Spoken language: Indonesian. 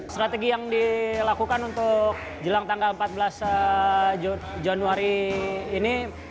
strategi yang dilakukan untuk jelang tanggal empat belas januari ini